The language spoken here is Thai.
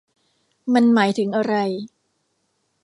มันหมายถึงอะไร ?